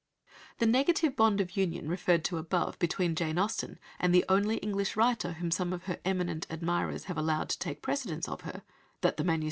The negative bond of union referred to above between Jane Austen and the only English writer whom some of her eminent admirers have allowed to take precedence of her that the MSS.